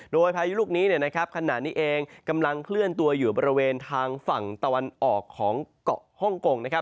โดยพายุลูกนี้ขณะนี้เองกำลังเคลื่อนตัวอยู่บริเวณทางฝั่งตะวันออกของเกาะฮ่องกงนะครับ